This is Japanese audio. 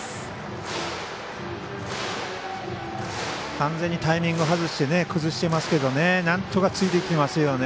完全にタイミング外して崩してますけどなんとかついてきてますよね。